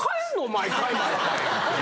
毎回毎回。